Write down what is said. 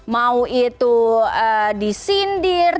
mau itu disindir